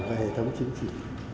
xây dựng đảng và hệ thống chính trị